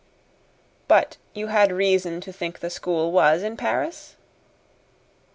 "But you had reason to think the school WAS in Paris?"